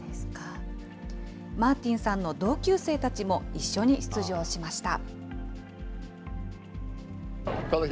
マーティンさんの同級生たちも一緒に出場しました。